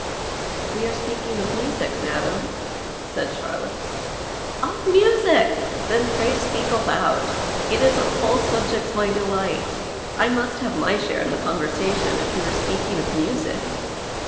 " We arc speaking of musie, madam," said Charlotte. " Of musie ! Then pray speak aloud. It is of all subjects my delight. I nnist have my share in the conversation, if you are speaking of music.